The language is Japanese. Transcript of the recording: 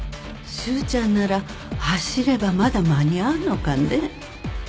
蹴ちゃんなら走ればまだ間に合うのかね